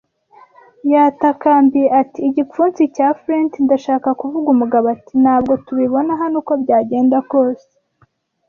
Yatakambiye ati: “Igipfunsi cya Flint, ndashaka kuvuga.” Umugabo ati: "Ntabwo tubibona hano uko byagenda kose.